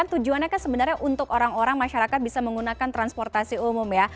tujuannya kan sebenarnya untuk orang orang masyarakat bisa menggunakan transportasi umum ya